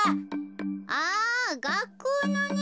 あがっこうのね。